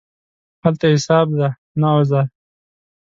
هلته حساب دی، نه عذر.